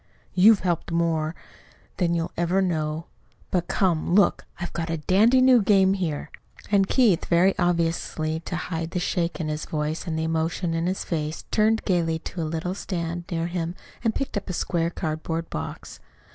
"You've helped more than you'll ever know. But, come look! I've got a dandy new game here." And Keith, very obviously to hide the shake in his voice and the emotion in his face, turned gayly to a little stand near him and picked up a square cardboard box.